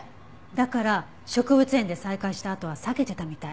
だから植物園で再会したあとは避けてたみたい。